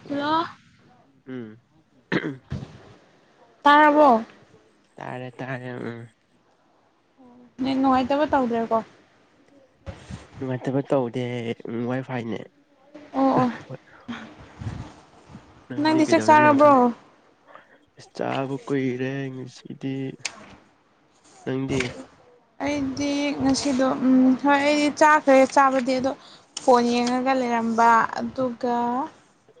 ꯍ ꯍꯜꯂꯣ ꯎꯝ ꯇꯥ ꯍꯕꯣ ꯇꯥꯔꯦ ꯇꯥꯔꯦ ꯎꯝ ꯅ ꯅꯨꯡꯉꯥꯏꯇꯕ ꯇꯧꯗ꯭ꯔꯦꯀꯣ ꯅꯨꯡꯉꯥꯏꯇꯕ ꯇꯧꯗꯦ ꯋꯥꯏ ꯐꯥꯏꯅꯦ ꯑꯣ ꯑꯣ ꯅ ꯅꯪꯗꯤ ꯆꯥꯛ ꯀꯗꯧꯅ ꯂꯩꯒꯦ ꯆꯥꯔꯕ꯭ꯔꯣ ꯑ ꯆꯥꯕ ꯀꯨꯏꯔꯦ ꯉꯁꯤꯗꯤ ꯅꯪꯗꯤ ꯑꯩꯗꯤ ꯉꯁꯤꯗꯣ ꯍꯣꯏ ꯑꯩꯗꯤ ꯆꯥꯈ꯭ꯔꯦ ꯆꯥꯕꯗꯤ ꯑꯗꯣ ꯐꯣꯟ ꯌꯦꯡꯉꯒ ꯂꯩꯔꯝꯕ ꯑꯗꯨꯒ ꯍ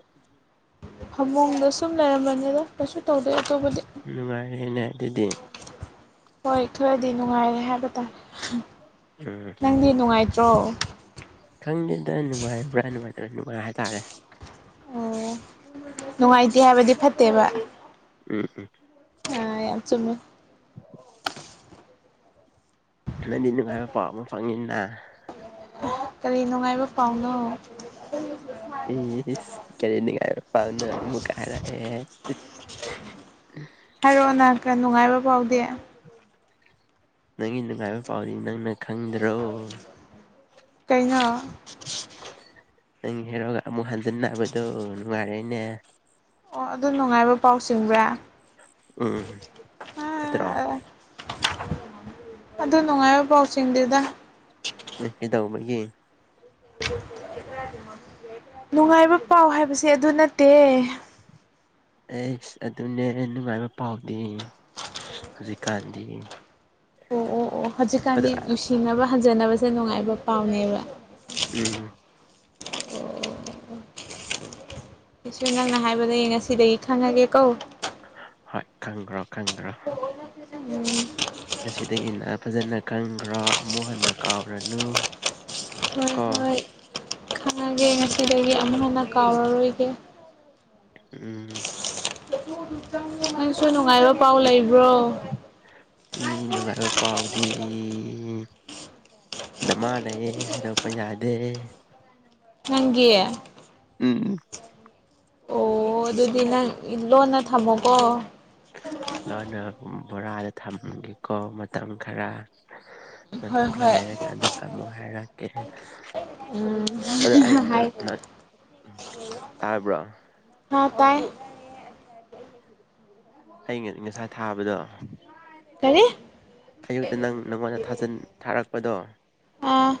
ꯐꯃꯨꯡꯗ ꯁꯨꯝ ꯂꯩꯔꯝꯕꯅꯤꯗ ꯀꯩꯁꯨ ꯇꯧꯗꯣ ꯑꯇꯣꯞꯄꯗꯤ ꯅꯨꯡꯉꯥꯏꯔꯦꯅꯦ ꯑꯗꯨꯗꯤ ꯍꯣꯏ ꯈ꯭ꯔꯗꯤ ꯅꯨꯡꯉꯥꯏꯔꯦ ꯍꯥꯏꯕ ꯇꯥꯔꯦ ꯎꯝ ꯅꯪꯗꯤ ꯅꯨꯡꯉꯥꯏꯇ꯭ꯔꯣ ꯈꯪꯗꯦꯗ ꯅꯨꯡꯉꯥꯏꯕ꯭ꯔꯥ ꯅꯨꯡꯉꯥꯏꯇꯕ꯭ꯔꯥ ꯅꯨꯡꯉꯥꯏ ꯍꯥꯏꯇꯥꯔꯦ ꯑꯣ ꯅꯨꯡꯉꯥꯏꯇꯦ ꯍꯥꯏꯕꯗꯤ ꯐꯠꯇꯦꯕ ꯎꯝ ꯎꯝ ꯑ ꯌꯥꯝ ꯆꯨꯝꯃꯦ ꯅꯪꯒꯤ ꯅꯨꯡꯉꯥꯏꯕ ꯄꯥꯎ ꯑꯃ ꯐꯪꯉꯤꯅ ꯀꯔꯤ ꯅꯨꯡꯉꯥꯏꯕ ꯄꯥꯎꯅꯣ ꯑꯦ ꯏꯁ ꯀꯔꯤ ꯉꯥꯏꯕ ꯄꯥꯎꯅꯣ ꯑꯃꯨꯛꯀ ꯍꯥꯏꯔꯛꯑꯦ [inaudible] ꯍꯥꯏꯔꯛꯑꯣ ꯅꯪ ꯅꯨꯡꯉꯥꯏꯕ ꯄꯥꯎꯗꯤ ꯅꯪꯒꯤ ꯅꯨꯡꯉꯥꯏꯕ ꯄꯥꯎꯗꯤ ꯅꯪꯅ ꯈꯪꯗ꯭ꯔꯣ ꯀꯩꯅꯣ ꯅꯪꯒꯤ ꯍꯦꯔꯣ ꯑꯃꯨꯛ ꯍꯟꯖꯤꯟ ꯅꯕꯗꯣ ꯅꯨꯡꯉꯥꯏꯔꯦꯅꯦ ꯑꯣ ꯑꯗꯨ ꯅꯨꯡꯉꯥꯏꯕ ꯄꯥꯎ ꯆꯤꯡꯕ꯭ꯔꯥ ꯎꯝ [unintelligible] ꯇ ꯑꯗꯨ ꯅꯨꯡꯉꯥꯏꯕ ꯄꯥꯎ ꯆꯤꯡꯗꯦꯗ [unintelligible] ꯗꯧꯕꯒꯤ ꯅꯨꯡꯉꯥꯏꯕ ꯄꯥꯎ ꯍꯥꯏꯕꯁꯦ ꯑꯗꯨ ꯅꯠꯇꯦ ꯑꯩꯁ ꯑꯗꯨꯅꯦ ꯅꯨꯡꯉꯥꯏꯕ ꯄꯥꯎꯗꯤ ꯍꯧꯖꯤꯛꯀꯥꯟꯗꯤ ꯑꯣ ꯑꯣ ꯑꯣ ꯑꯗꯣ ꯍꯧꯖꯤꯛꯀꯥꯟꯗꯤ ꯅꯨꯡꯁꯤꯅꯕ ꯍꯟꯖꯟꯕꯁꯦ ꯅꯨꯡꯉꯥꯏꯕ ꯄꯥꯎꯅꯦꯕ ꯎꯝ ꯑꯩꯁꯨ ꯅꯪꯅ ꯍꯥꯏꯕꯗꯒꯤ ꯉꯁꯤꯗꯒꯤ ꯈꯪꯉꯒꯦ ꯀꯣ ꯍꯣꯏ ꯈꯪꯒ꯭ꯔꯣ ꯈꯪꯒ꯭ꯔꯣ ꯉꯁꯤꯗꯒꯤꯅ ꯐꯖꯅ ꯈꯪꯈ꯭ꯔꯣ ꯑꯃꯨꯛ ꯍꯟꯅ ꯀꯥꯎꯔꯅꯨ ꯍꯣꯏ ꯀꯣ ꯍꯣꯏ ꯈꯪꯉꯒꯦ ꯉꯁꯤꯗꯒꯤ ꯑꯃꯨꯛ ꯍꯟꯅ ꯀꯥꯎꯔꯔꯣꯏꯒꯦ ꯎꯝ ꯅꯪꯁꯨ ꯅꯨꯡꯉꯥꯏꯔꯣ ꯏ ꯅꯨꯡꯉꯥꯏꯕ ꯄꯥꯎꯗꯤ ꯅꯃꯥ ꯂꯩꯌꯦ ꯍꯥꯏꯗꯣꯛꯄ ꯌꯥꯗꯦ ꯅꯪꯒꯤ ꯎꯝ ꯑꯣ ꯑꯗꯨꯗꯤ ꯅꯪ ꯂꯣꯟꯅ ꯊꯝꯃꯣꯀꯣ ꯂꯣꯟꯅ ꯎꯝ ꯕꯣꯔꯥꯗ ꯊꯝꯒꯦꯀꯣ ꯃꯇꯝ ꯈꯔ ꯃꯇꯝ ꯍꯣꯏ ꯈꯔ ꯍꯣꯏ ꯂꯩꯔꯀꯥꯟꯗ ꯑꯃꯨꯛ ꯍꯥꯏꯔꯛꯀꯦ ꯎꯝ ꯑꯗꯣ ꯑꯩ ꯍꯥꯏ ꯅꯠ ꯅꯠ ꯇꯥꯕ꯭ꯔꯣ ꯍꯥ ꯇꯥꯏ ꯑꯩꯉꯥ ꯉꯁꯥꯏ ꯊꯥꯕꯗꯣ ꯀꯔꯤ ꯑꯌꯨꯛꯇ ꯅꯪ ꯅꯪꯉꯣꯟꯗ ꯊꯥꯖꯤꯟ ꯊꯥꯔꯛꯄꯗꯣ ꯑꯥ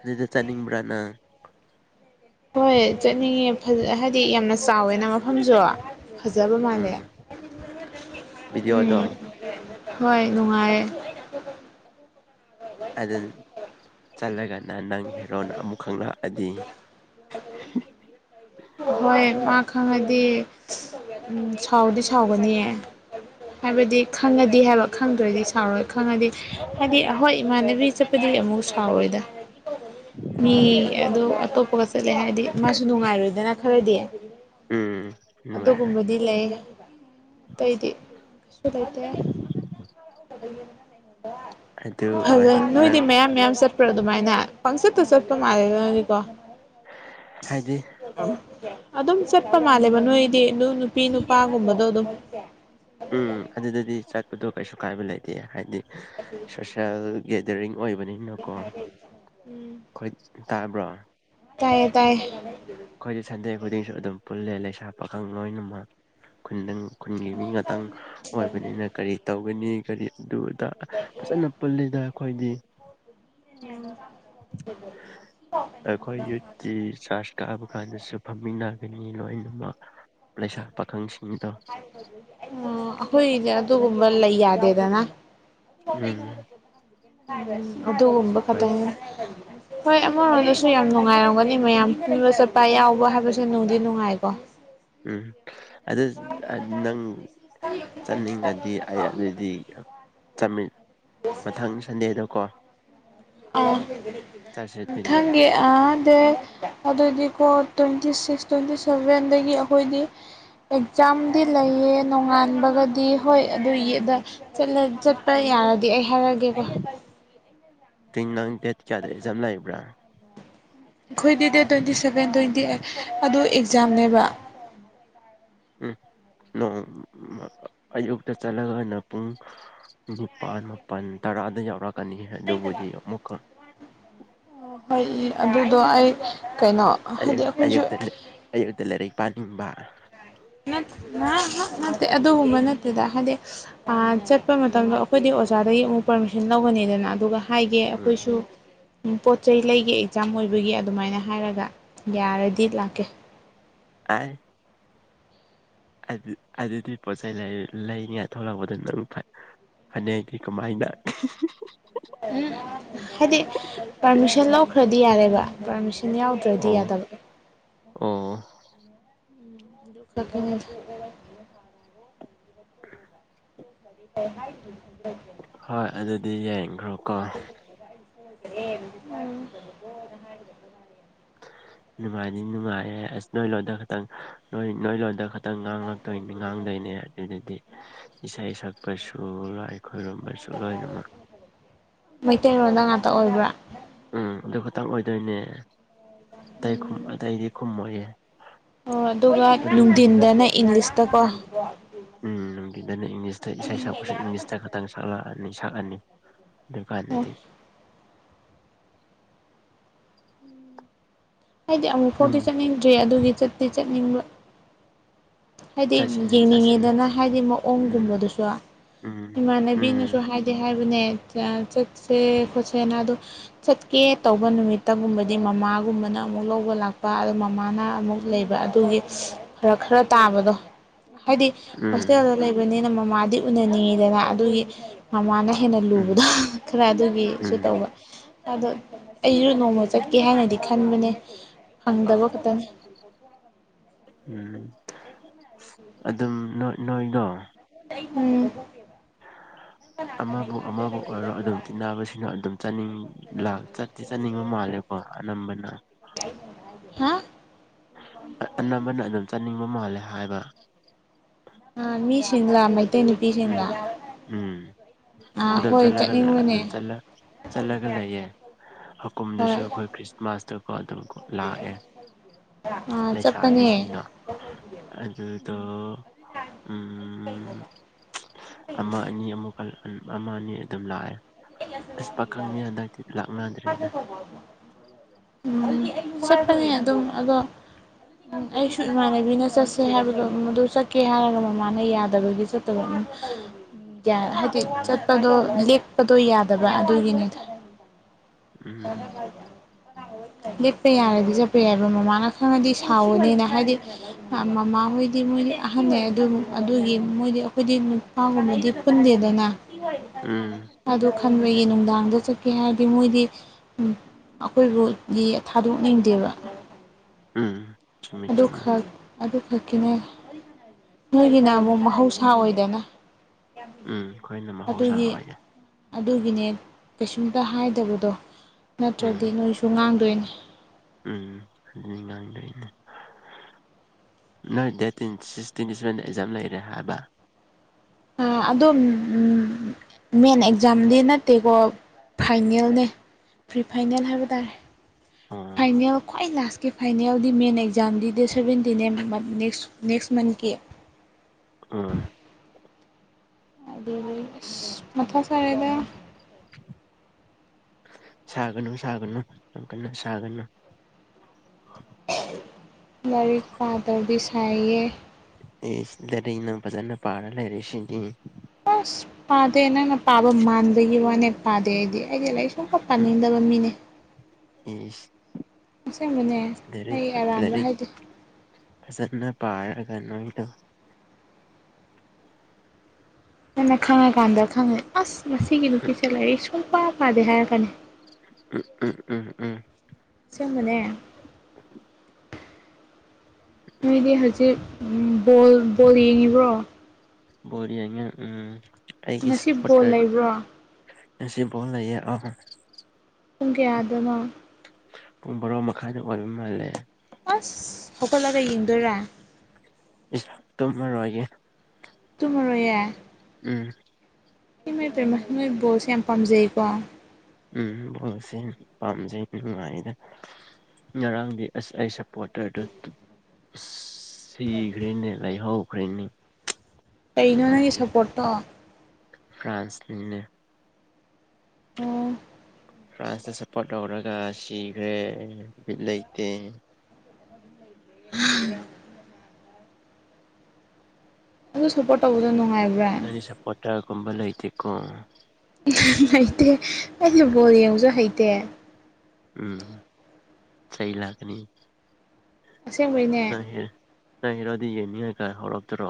ꯑꯗꯨꯗ ꯆꯠꯅꯤꯡꯕ꯭ꯔꯥ ꯅꯪ ꯍꯣꯏ ꯆꯠꯅꯤꯡꯉꯦ ꯍꯥꯏꯗꯤ ꯌꯥꯝꯅ ꯆꯥꯎꯋꯦꯅ ꯃꯐꯝꯁꯨ ꯐꯖꯕ ꯃꯥꯜꯂꯦ ꯎꯝ ꯚꯤꯗꯤꯑꯣꯗꯣ ꯎꯝ ꯍꯣꯏ ꯅꯨꯡꯉꯥꯏ ꯑꯗꯨ ꯆꯠꯂꯒꯅ ꯅꯪ ꯍꯦꯔꯣꯅ ꯑꯃꯨꯛ ꯈꯪꯂꯛꯑꯗꯤ [unintelligible] ꯍꯣꯏ ꯃꯥ ꯈꯪꯉꯗꯤ ꯎꯝ ꯁꯥꯎꯗꯤ ꯁꯥꯎꯒꯅꯤꯌꯦ ꯍꯥꯏꯕꯗꯤ ꯈꯪꯉꯗꯤ ꯍꯥꯏꯕ ꯈꯪꯗꯔ꯭ ꯗꯤ ꯁꯥꯎꯔꯣꯏ ꯈꯪꯉꯗꯤ ꯍꯥꯏꯗꯤ ꯍꯣꯏ ꯏꯃꯥꯟꯅꯕꯤ ꯑꯗꯨꯗꯤ ꯑꯃꯨꯛ ꯁꯥꯎꯔꯣꯏꯗ ꯃꯤ ꯑꯗꯣ ꯑꯇꯣꯞꯄꯒ ꯆꯠꯂꯦ ꯍꯥꯏꯔꯥꯗꯤ ꯃꯥꯁꯨ ꯅꯨꯡꯉꯥꯏꯔꯣꯏꯗꯅ ꯈꯔꯗꯤ ꯎꯝ ꯅꯨꯡꯉꯥꯏꯔꯣꯏ ꯑꯗꯨꯒꯨꯝꯕꯗꯤ ꯂꯩ ꯇꯩꯗꯤ [inaudible] ꯑꯗꯨ ꯐꯖꯩ ꯅꯪ ꯅꯣꯏꯗꯤ ꯃꯌꯥꯝ ꯃꯌꯥꯝ ꯆꯠꯄ꯭ꯔꯥ ꯑꯗꯨꯃꯥꯏꯅ ꯄꯪꯆꯠꯇ ꯆꯠꯄ ꯃꯥꯜꯂꯦꯗ ꯅꯣꯏꯗꯤꯀꯣ ꯍꯥꯏꯗꯤ ꯑꯗꯨꯝ ꯆꯠꯄ ꯃꯥꯜꯂꯦꯕ ꯅꯣꯏꯗꯤ ꯑꯗꯨ ꯅꯨꯄꯤ ꯅꯨꯄꯥꯒꯨꯝꯕꯗꯣ ꯑꯗꯨꯝ ꯎꯝ ꯑꯗꯨꯗꯗꯤ ꯆꯠꯄꯗꯣ ꯀꯩꯁꯨ ꯀꯥꯏꯕ ꯂꯩꯇꯦ ꯍꯥꯏꯗꯤ [unintelligible] ꯒꯦꯗꯔꯤꯡ ꯑꯣꯏꯕꯅꯤꯅꯀꯣ ꯎꯝ ꯑꯩꯈꯣꯏ ꯇꯥꯕ꯭ꯔꯣ ꯇꯥꯏꯌꯦ ꯇꯥꯏꯌꯦ ꯑꯩꯈꯣꯏꯗꯤ ꯁꯟꯗꯦ ꯈꯨꯗꯤꯡꯁꯨ ꯑꯗꯨꯝ ꯄꯨꯜꯂꯦ ꯂꯩꯁꯥ ꯄꯥꯈꯪ ꯂꯣꯏꯅꯃꯛ ꯈꯨꯟꯗꯪ ꯈꯨꯟꯒꯤ ꯃꯤ ꯉꯥꯛꯇꯪ ꯑꯣꯏꯕꯅꯤꯅ ꯀꯔꯤ ꯇꯧꯒꯅꯤ ꯀꯔꯤ ꯑꯗꯨ ꯐꯖꯅ ꯄꯨꯜꯂꯤꯗ ꯑꯩꯈꯣꯏꯗꯤ ꯑꯩꯈꯣꯏ [unintelligible] ꯀꯥꯕ ꯀꯥꯟꯗꯁꯨ ꯐꯝꯃꯤꯟꯅꯒꯅꯤ ꯂꯣꯏꯅꯃꯛ ꯂꯩꯁꯥ ꯄꯥꯈꯪꯁꯤꯡꯗꯣ ꯑꯣ ꯑꯩꯈꯣꯏꯒꯤꯗꯤ ꯑꯗꯨꯒꯨꯝꯕ ꯂꯩ ꯌꯥꯗꯦꯗꯅ ꯎꯝ ꯎꯝ ꯑꯗꯨꯒꯨꯝꯕ ꯍꯣꯏ ꯈꯛꯇꯪ ꯅꯤꯗ ꯍꯣꯏ ꯑꯃꯔꯣꯝꯗꯁꯨ ꯌꯥꯝ ꯅꯨꯡꯉꯥꯏꯔꯝꯒꯅꯤ ꯃꯌꯥꯝ ꯄꯨꯟꯕ ꯆꯠꯄ ꯌꯥꯎꯕ ꯍꯥꯏꯕꯁꯦ ꯅꯨꯡꯗꯤ ꯅꯨꯡꯉꯥꯏꯀꯣ ꯎꯝ ꯑꯗꯨꯗ ꯅꯪ ꯆꯠꯅꯤꯡꯉꯗꯤ ꯑꯩ ꯑꯗꯨꯗꯤ ꯆꯠꯃꯤꯟ ꯃꯊꯪ ꯁꯟꯗꯦꯗꯀꯣ ꯆꯠꯁꯦ ꯑꯥ ꯑꯗꯨꯗꯤ [unintelligible] ꯑ ꯗꯦ ꯑꯗꯨꯗꯤ ꯀꯣ ꯇ꯭ꯋꯦꯟꯇꯤ ꯁꯤꯀ ꯇ꯭ꯋꯦꯟꯇꯤ ꯁꯦꯚꯦꯟ ꯗꯒꯤ ꯑꯩꯈꯣꯏꯗꯤ ꯑꯦꯛꯖꯥꯝꯗꯤ ꯂꯩꯌꯦ ꯅꯣꯡꯉꯥꯟꯕꯒꯗꯤ ꯍꯣꯏ ꯑꯗꯨꯏ ꯗ ꯆꯠꯂꯥ ꯆꯠꯄ ꯌꯥꯔꯗꯤ ꯑꯩ ꯍꯥꯏꯔꯒꯦꯀꯣ ꯇꯤꯡ ꯅꯪ ꯗꯥꯇꯦ ꯀꯌꯥꯗ ꯑꯦꯛꯖꯥꯝ ꯂꯩꯕ꯭ꯔꯥ ꯑꯩꯈꯣꯏꯗꯤ date twenty seven twenty eight ꯑꯗꯣ ꯑꯦꯛꯖꯥꯝꯅꯦꯕ ꯎꯝ ꯅꯣꯝꯃ ꯑꯌꯨꯛꯇ ꯆꯠꯂꯒꯅ ꯄꯨꯡ ꯅꯤꯄꯥꯜ ꯃꯥꯄꯜ ꯇꯔꯥꯗ ꯌꯧꯔꯛ [unintelligible] ꯑꯗꯨꯕꯨꯗꯤ ꯑꯃꯨꯛ ꯑꯣ ꯍꯣꯏ ꯑꯗꯨꯗꯣ ꯑꯩ ꯀꯩꯅꯣ ꯍꯥꯏꯗꯤ ꯑꯌꯨꯛ ꯑꯩꯈꯣꯏꯁꯨ ꯑꯌꯨꯛꯇ ꯑꯌꯨꯛꯇ ꯂꯥꯏꯔꯤꯛ ꯄꯥꯅꯤꯡꯕ ꯅꯠ [unintelligible] ꯅꯠꯇꯦ ꯑꯗꯨꯒꯨꯝꯕ ꯅꯠꯇꯦꯗ ꯍꯥꯏꯗꯤ ꯆꯠꯄ ꯃꯇꯝꯗ ꯑꯩꯈꯣꯏꯗꯤ ꯑꯣꯖꯥꯗꯒꯤ ꯑꯃꯨꯛ ꯄꯔꯃꯤꯁꯟ ꯂꯧꯒꯅꯤꯗꯅ ꯑꯗꯨꯒ ꯍꯥꯏꯒꯦ ꯎꯝ ꯑꯩꯈꯣꯏꯁꯨ ꯄꯣꯠ ꯆꯩ ꯂꯩꯒꯦ ꯑꯦꯛꯖꯥꯝ ꯑꯣꯏꯕꯒꯤ ꯑꯗꯨꯃꯥꯏꯅ ꯍꯥꯏꯔꯒ ꯌꯥꯔꯗꯤ ꯂꯥꯛꯀꯦ ꯑ ꯑꯗꯨꯗꯤ ꯄꯣꯠ ꯆꯩꯩ ꯂꯩꯅꯤꯉꯥꯏ ꯊꯣꯛꯂꯛꯄꯗꯨ ꯅꯪ ꯐ ꯐꯅꯦꯛꯒꯤ ꯀꯃꯥꯏꯅ ꯎꯝ ꯍꯥꯏꯗꯤ ꯄꯥꯔꯃꯤꯁꯟ ꯂꯧꯈ꯭ꯔꯗꯤ ꯌꯥꯔꯦꯕ ꯄꯥꯔꯃꯤꯁꯟ ꯌꯥꯎꯗ꯭ꯔꯗꯤ ꯑꯣ ꯌꯥꯗꯕ ꯑꯣ ꯑꯗꯨ ꯈꯛ [unintelligible] [inaudible] ꯑꯣ ꯍꯥꯏ [unintelligible] ꯍꯣꯏ ꯑꯗꯨꯗꯤ ꯌꯦꯡꯈ꯭ꯔꯣ ꯀꯣ [inaudible] [unintelligible] ꯅꯨꯡꯉꯥꯏꯗꯤ ꯅꯨꯡꯉꯥꯏꯔꯦ ꯑꯁ ꯅꯣꯏ ꯂꯣꯟꯗ ꯈꯛꯇꯪ ꯅꯣꯏ ꯂꯣꯗ ꯈ ꯈꯤꯇꯪ ꯉꯥꯡꯂꯛꯇꯣꯏ ꯉꯥꯡꯗꯣꯏꯅꯦ ꯑꯗꯨꯗꯨꯗꯤ ꯏꯁꯩ ꯁꯛꯄꯁꯨ ꯑꯩꯈꯣꯏꯔꯣꯝꯕꯁꯨ ꯃꯩꯇꯩꯔꯣꯟꯗ ꯉꯥꯛꯇ ꯑꯣꯏꯕ꯭ꯔꯥ ꯎꯝ ꯑꯗꯨ ꯈꯇꯪ ꯑꯣꯏꯗꯣꯏꯅꯦ ꯑꯇꯩ ꯎꯝ ꯑꯇꯩꯗꯤ ꯈꯨꯝꯃꯣꯏꯌꯦꯦ ꯑꯣ ꯑꯗꯨꯒ ꯅꯨꯡꯊꯤꯟꯗꯅ ꯏꯪꯂꯤꯁꯇ ꯀꯣ ꯎꯝ ꯅꯨꯡꯇꯗꯅ ꯏꯪꯂꯤꯁꯇ ꯏꯁꯩ ꯁꯛꯄꯁꯨ ꯏꯪꯂꯤꯁꯇ ꯈꯇꯪ ꯁꯛꯂꯛꯑꯅꯤ ꯁꯛꯑꯅꯤ ꯗꯀꯥꯏ ꯑꯣ ꯂꯩꯗꯤ ꯍꯥꯏꯗꯤ ꯑꯃꯨꯛ ꯐꯥꯎꯗꯤꯤ ꯎꯝ ꯆꯠꯅꯤꯡꯗ꯭ꯔꯦ ꯑꯗꯨꯒꯤ ꯆꯠꯇꯤ ꯆꯠꯅꯤꯡꯕ ꯍꯥꯏꯗꯤ ꯆꯠꯁꯤꯅꯦ ꯆꯠꯁꯤꯅꯦ ꯌꯦꯡꯅꯤꯡꯉꯤꯗꯅ ꯍꯥꯏꯗꯤ ꯎꯝ ꯃꯑꯣꯡꯒꯨꯝꯕꯗꯨꯁꯨ ꯎꯝ ꯏꯃꯥꯟꯅꯕꯤꯅꯁꯨ ꯎꯝ ꯍꯥꯏꯗꯤ ꯍꯥꯏꯕꯅꯦ ꯆꯠꯁꯦ ꯈꯣꯠꯁꯦꯅ ꯑꯗꯣ ꯆꯠꯀꯦ ꯇꯧꯕ ꯅꯨꯃꯤꯠꯇꯒꯨꯝꯕꯗꯤ ꯃꯃꯥꯒꯨꯝꯕꯅ ꯑꯃꯨꯛ ꯂꯧꯕ ꯂꯥꯛꯄ ꯑꯗꯣ ꯃꯃꯥꯅ ꯑꯃꯨꯛ ꯂꯩꯕ ꯑꯗꯨꯒꯤ ꯈꯔ ꯈꯔ ꯇꯥꯕꯗꯣ ꯍꯥꯏꯗꯤ ꯎꯝ ꯍꯣꯁꯇꯦꯜꯗꯣ ꯂꯩꯕꯅꯤꯅ ꯃꯃꯥꯗꯤ ꯎꯅꯅꯤꯡꯉꯤꯗꯅ ꯑꯗꯨꯒꯤ ꯃꯃꯥꯅ ꯍꯦꯟꯅ ꯎꯝ ꯂꯨꯕꯗꯣ ꯈꯔ ꯑꯗꯨꯒꯤꯁꯨ ꯎꯝ ꯇꯧꯕ ꯑꯗꯣ ꯑꯩꯁꯨ ꯅꯣꯡꯃ ꯆꯠꯀꯦ ꯍꯥꯏꯅꯗꯤ ꯈꯟꯕꯅꯦ ꯍꯪꯗꯕ ꯈꯛꯇꯅꯤ ꯎꯝ ꯑꯗꯨꯝ ꯅꯣꯏꯗꯣ ꯎꯝ ꯑ ꯑꯃꯕꯨ ꯑꯃꯕꯨ ꯑꯣꯏꯔꯣ ꯑꯗꯨꯝ ꯇꯤꯟꯟꯅꯕꯁꯤꯅ ꯑꯗꯨꯝ ꯆꯥꯅꯤꯡ ꯆꯠ ꯤ ꯆꯠꯅꯤꯡꯕ ꯃꯥꯜꯂꯦꯀꯣ ꯑꯅꯝꯕꯅ ꯍꯥ ꯑꯅꯝꯕꯅ ꯑꯗꯨꯝ ꯆꯥꯅꯤꯡꯕ ꯃꯥꯜꯂꯦ ꯍꯥꯏꯕ ꯑ ꯃꯤ ꯁꯤꯤꯡꯂ ꯃꯩꯇꯣꯏꯅꯤꯄꯤꯤ ꯁꯤꯂ ꯎꯝ ꯎꯝ ꯑꯗꯨꯝ ꯆꯠꯂꯒ ꯑꯗꯨꯝ ꯆꯠꯂꯒ ꯂꯩꯌꯦꯦ ꯍꯀꯨꯝꯗꯨꯁꯨ ꯍꯣꯏ ꯑꯩꯈꯣꯏ ꯈ꯭ꯔꯤꯁꯃꯥꯁꯇꯀꯣ ꯑꯗꯨꯝ ꯂꯥꯛꯑꯦ ꯑꯥ ꯆꯠꯄꯅꯦ ꯂꯩꯁꯥꯕꯤꯁꯤꯡꯅ ꯑꯗꯨꯗ ꯎꯝ ꯑꯃ ꯑꯅꯤ ꯑꯃꯨꯛꯀ ꯑꯃ ꯑꯅꯤ ꯑꯗꯨꯝ ꯂꯥꯛꯑꯦ ꯑꯁ ꯄꯥꯈꯪꯅꯤ ꯍꯟꯗꯛꯇꯤ ꯂꯥꯛꯅꯗ꯭ꯔꯦꯗ ꯣ ꯎꯝ ꯆꯄꯅꯦ ꯑꯗꯨꯝ ꯑꯗꯣ ꯑꯩꯁꯨ ꯏꯃꯥꯟꯅꯕꯤꯅ ꯆꯠꯁꯦ ꯍꯥꯏꯕꯗꯣ ꯃꯗꯨ ꯆꯠꯀꯦ ꯍꯥꯏꯔꯒ ꯃꯃꯥꯅ ꯌꯥꯗꯕꯒꯤ ꯆ ꯇꯅ ꯍꯥꯏꯗꯤ ꯎꯝ ꯆꯠꯄꯗꯣ ꯂꯦꯛꯄꯗꯣ ꯌꯥꯗꯕ ꯑꯗꯨꯒꯤꯅꯤꯗ ꯍꯅ ꯎꯝ ꯀꯗ ꯂꯤꯦꯞꯄ ꯌꯥꯔꯗꯤ ꯆꯠꯄ ꯌꯥꯏꯕ ꯃꯃꯥꯅ ꯈꯔꯅꯗꯤ ꯁꯥꯎꯋꯅꯤꯅ ꯍꯥꯏꯗꯤ ꯃꯃꯥ ꯍꯣꯏꯗꯤ ꯃꯣꯏꯗꯤ ꯑꯍꯜ ꯂꯩ ꯑꯗꯨ ꯑꯗꯨꯒꯤ ꯃꯣꯏꯗꯤ ꯑꯩꯈꯣꯏꯗꯤ ꯍꯥꯎꯉꯗꯤꯞꯟ ꯂꯗꯅ ꯎꯝ ꯑꯗꯣ ꯈꯟꯕꯒꯤ ꯅꯨꯡꯗꯥꯡꯗ ꯆꯠꯀꯦ ꯍꯥꯏꯔꯗꯤ ꯃꯣꯏꯗꯤ ꯎꯝ ꯑꯩꯈꯣꯏ ꯔꯣꯗꯤ ꯊꯥꯗꯣꯛꯅꯤꯡꯗꯦꯕ ꯎꯝ ꯆꯨꯝꯃꯤ ꯗ ꯆꯨꯝꯃꯤ ꯈꯔ ꯑꯗꯨꯈꯛꯀꯤꯅꯦ ꯅꯣꯏꯒꯤꯅ ꯑꯃꯨꯛ ꯃꯍꯧꯁꯥ ꯑꯣꯏꯗꯅ ꯎꯝ ꯑꯩꯈꯣꯏꯅ ꯃꯍꯧꯁꯥ ꯑꯗꯨꯒꯤ ꯑꯣꯏꯅ ꯑꯗꯨꯒꯤꯅꯦ ꯀꯩꯁꯨꯝꯇ ꯍꯥꯏꯗꯕꯗꯣ ꯎꯝ ꯅꯠꯇ꯭ꯔꯗꯤ ꯅꯣꯏꯁꯨ ꯉꯥꯡꯗꯣꯏꯅꯦ ꯎꯝ ꯑꯗꯨ ꯉꯥꯡ ꯂꯩꯅꯦ ꯅꯣꯏ ꯗꯦꯠꯠꯇꯤꯟ ꯁꯤꯛꯁꯇꯤꯟ ꯁꯚꯦꯟꯗ ꯑꯦꯛꯖꯥꯝ ꯂꯩꯔꯦ ꯍꯥꯏꯕ ꯑꯗꯨꯝ ꯃꯦꯟ ꯑꯦꯛꯖꯥꯝꯗꯤ ꯅꯠꯇꯦꯀꯣ ꯐꯥꯏꯅꯦꯜꯅꯦ ꯄ꯭ꯔꯤ ꯐꯥꯏꯅꯦꯜ ꯍꯥꯏꯕ ꯇꯥꯔꯦ ꯎꯝ ꯐꯥꯏꯅꯦꯜ ꯈ꯭ꯋꯥꯏ ꯂꯥꯁ ꯀ ꯐꯥꯏꯅꯦꯜꯗꯤ ꯃꯦꯟ ꯑꯦꯛꯖꯝꯗꯤ ꯗꯦ ꯁꯦꯚꯦꯟꯇꯤꯟ ꯑꯦ ꯅꯦꯛꯁ ꯅꯦꯛꯁ ꯃꯟꯊꯠꯀꯤ ꯑ ꯑꯗꯨ ꯃꯊꯥ ꯁꯔꯦꯗ ꯁꯥꯒꯅꯨ ꯁꯥꯒꯅꯨ ꯀ ꯁꯥꯒꯅꯨ ꯂꯥꯏꯔꯤꯛ ꯄꯥꯗ꯭ꯔꯗꯤ ꯁꯥꯏꯌꯦ ꯑꯦꯗꯔꯅ ꯏꯟꯅ ꯄꯥꯔꯂ ꯔꯁꯤꯗꯤ ꯑꯁ ꯄꯥꯗꯦ ꯅꯪꯅ ꯄꯥꯕ ꯃꯥꯟꯗꯒꯤ ꯋꯥꯅꯦ ꯄꯥꯗꯦ ꯑꯩꯗꯤ ꯑꯩꯗꯤ ꯂꯩ ꯎꯝ ꯄꯥꯅꯤꯡꯗꯕ ꯃꯤꯅꯦ ꯏꯁ ꯑꯁꯦꯡꯕꯅꯦ ꯂꯥꯏꯔꯤꯛ ꯑꯩ ꯑꯔꯥꯟꯕ ꯂꯥꯏꯔꯤꯛ ꯍꯥꯏꯗꯤꯦ ꯐꯖꯅ ꯄꯥꯏꯔꯒ ꯅꯅ ꯇꯧ ꯅꯟꯅ ꯈꯪꯉꯀꯥꯟꯗ ꯈꯪꯉꯦ ꯑꯁ ꯉꯒꯤ ꯅꯨꯄꯤꯁꯦ ꯂꯥꯏꯔꯤꯛ ꯁꯨꯡ ꯄ ꯐꯥꯗꯦ ꯍꯥꯏꯔꯛꯀꯅꯤ ꯎꯝ ꯎꯝ ꯎꯝ ꯎꯝ ꯆꯃꯅꯦ ꯅꯣꯏꯗꯤ ꯍꯧꯖꯤꯛ ꯕꯣꯜ ꯕꯣꯜ ꯌꯦꯡꯉꯤꯕ꯭ꯔꯣ ꯑ ꯎꯝ ꯑꯩꯒꯤ ꯉꯁꯤ ꯕꯣꯜ ꯁꯄꯇꯔ ꯂꯩꯕ꯭ꯔꯣ ꯁꯕꯣꯜ ꯂꯩꯌꯦꯦ ꯑ ꯄꯨꯡ ꯀꯌꯥꯗꯅꯣ ꯕꯣꯔꯣ ꯃꯈꯥꯗ ꯑꯣꯏꯕ ꯃꯥꯜꯂꯦ ꯑꯁ ꯍꯧꯀꯠꯂꯒ ꯌꯦꯡꯗꯣꯏꯔꯥ ꯏꯁ ꯇꯨꯝꯃꯔꯣꯏꯒꯦ ꯇꯨꯝꯃꯔꯣꯏ ꯌꯥ ꯎꯝ ꯃꯍ ꯃꯣꯏ ꯕꯣꯁ ꯌꯥꯝ ꯄꯥꯝꯖꯩꯀꯣ ꯎꯝ ꯕꯣꯜꯁꯦ ꯄꯥꯝꯖꯩ ꯅꯨꯡꯉꯥꯏꯗ ꯉꯔꯥꯡꯗꯤ ꯑꯁ ꯑꯩ ꯁꯞꯄꯣꯔꯇꯔꯗꯨ ꯁꯤꯈ꯭꯭ꯔꯦꯅꯦ ꯂꯩꯍꯧꯈ꯭ꯔꯦꯅꯦ ꯀꯩꯅꯣ ꯅꯪꯒꯤ ꯅꯨꯡꯉꯥꯏꯇꯦ ꯁꯞꯄꯣꯔꯠꯇꯣ ꯐ꯭ꯔꯥꯟꯁꯅꯤꯅꯦ ꯑꯣ ꯐ꯭ꯔꯥꯟꯁꯇ ꯁꯞꯄꯣꯔꯠ ꯇꯧꯔꯒ ꯁꯤꯈ꯭ꯔꯦ ꯠ ꯂꯩꯇꯦ [unintelligible] ꯑꯗꯨ ꯁꯞꯄꯣꯔꯠ ꯇꯧꯕꯗꯣ ꯅꯨꯡꯉꯥꯏꯕ꯭ꯔꯥ ꯅꯪꯒꯤ ꯁꯞꯄꯣꯔꯇꯔꯒꯨꯝꯕ ꯂꯩꯇꯦꯀꯣ ꯍꯩꯇꯦ ꯑꯩꯗꯤ ꯕꯣꯜ ꯌꯦꯡꯁꯨ ꯍꯩꯇꯦ ꯎꯝ ꯁꯩ ꯂꯥꯛꯀꯅꯤ ꯑꯁꯦꯡꯕꯩꯅꯦ ꯅꯔꯣꯗꯤ ꯌꯦꯡꯅꯤꯡꯉꯥꯏ ꯀꯥꯏ ꯍꯧꯔꯛꯇ꯭ꯔꯣ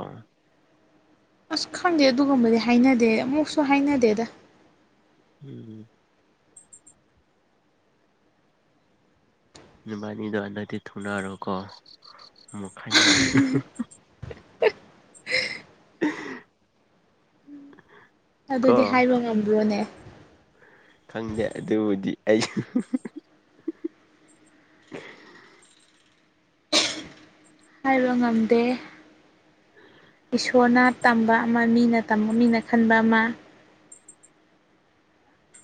ꯑꯁ ꯈꯪꯗꯦ ꯑꯗꯨꯒꯨꯝꯕꯗꯤ ꯍꯥꯏꯅꯗꯦ ꯑꯃꯨꯛꯁꯨ ꯍꯥꯏꯅꯗꯦꯗ ꯎꯝ ꯕꯥꯅꯤꯗꯣ ꯍꯟꯗꯛꯇꯤ ꯊꯨꯅꯔꯣ ꯀꯣ ꯃ ꯈꯥꯏꯅꯔꯦ [unintelligible] ꯀꯣ ꯑꯗꯨꯗꯤ ꯍꯥꯏꯕ ꯉꯝꯕ꯭ꯔꯣꯅꯦ ꯈꯪꯗꯦ ꯑꯗꯨꯕꯨꯗꯤ ꯑꯩꯁꯨ ꯍꯥꯏꯕ ꯉꯝꯗꯦ ꯏꯁꯣꯔꯅꯥꯠ ꯇꯝꯕ ꯑꯃ ꯃꯤꯅ ꯇꯝꯕ ꯃꯤꯅ ꯈꯟꯕ ꯑꯃ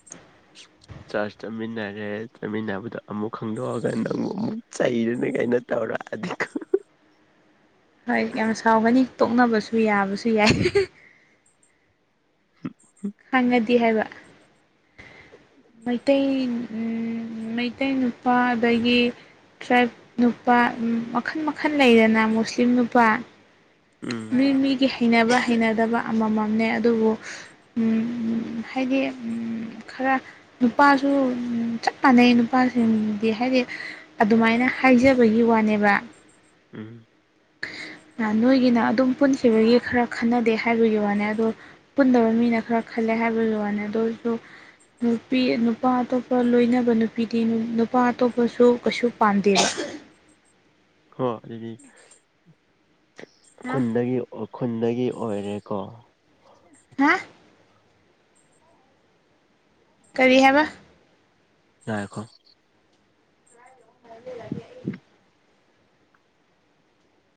[unintelligible] ꯆꯔꯆ ꯆꯠꯃꯤꯟꯅꯔ꯭ꯔꯦ ꯆꯠꯃꯤꯟꯅꯕꯗ ꯑꯃꯨꯛ ꯈꯪꯗꯣꯛꯑꯒ ꯅꯪꯛ ꯑꯃꯨꯛ ꯆꯩꯔꯅꯤ ꯀꯥꯏꯅ ꯇꯧꯔꯗꯤ ꯍꯣꯏ ꯌꯥꯝ ꯁꯥꯎꯒꯅꯤ ꯇꯣꯛꯅꯕꯁꯨ ꯌꯥꯕꯁꯨ ꯌꯥꯏ ꯍ ꯍꯪꯉꯗꯤ ꯍꯥꯏꯕ ꯃꯩꯇꯩ ꯃꯩꯇꯩ ꯅꯨꯄꯥ ꯑꯗꯒꯤ ꯇ꯭ꯔꯥꯏꯞ ꯅꯨꯄꯥ ꯃꯈꯜ ꯃꯈꯜ ꯂꯩꯗꯅ ꯃꯨꯁꯂꯤꯝ ꯅꯨꯄꯥ ꯎꯝ ꯃꯤ ꯃꯤꯒꯤ ꯍꯩꯅꯕ ꯍꯩꯅꯗꯕ ꯑꯃꯃꯝꯅꯦ ꯑꯗꯨꯕꯨ ꯍꯥꯏꯗꯤ ꯈꯔ ꯅꯨꯄꯥꯁꯨ ꯆꯞ ꯃꯥꯟꯅꯩ ꯅꯨꯄꯥꯁꯤꯡꯗꯤ ꯍꯥꯏꯗꯤ ꯑꯗꯨꯃꯥꯏꯅ ꯍꯥꯏꯖꯕꯒꯤ ꯋꯥꯅꯦꯕ ꯎꯝ ꯅꯣꯏꯒꯤꯅ ꯑꯗꯨꯝ ꯄꯨꯟꯈꯤꯕꯒꯤ ꯈꯔ ꯈꯟꯅꯗꯦ ꯍꯥꯏꯕꯒꯤ ꯋꯥꯅꯦ ꯑꯗꯣ ꯄꯨꯟꯗꯕ ꯃꯤꯅ ꯈꯔ ꯈꯜꯂꯦ ꯍꯥꯏꯕꯗꯨ ꯂꯨꯅꯤ ꯑꯗꯨ ꯑꯣꯏꯁꯨ ꯅꯨꯄꯤ ꯅꯨꯄꯥ ꯑꯇꯣꯞꯄ ꯂꯣꯏꯅꯕ ꯅꯨꯄꯤꯗꯤ ꯅꯨꯄꯥ ꯑꯇꯣꯞꯄꯁꯨ ꯀꯩꯁꯨ ꯄꯥꯟꯗꯦꯕ ꯍꯣ ꯑꯗꯨꯗꯤ ꯍꯥ ꯈꯨꯟꯗꯒꯤ ꯎꯈ꯭ꯔꯨꯜꯗꯒꯤ ꯑꯣꯏꯔꯦꯀꯣ ꯍꯥ ꯀꯔꯤ ꯍꯥꯏꯕ ꯌꯥꯏꯈꯣ ꯂ ꯂꯦ